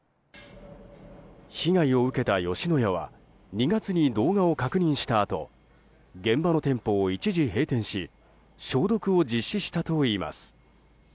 被害を受けた吉野家は２月に動画を確認したあと現場の店舗を一時閉店し消毒を実施したといいます。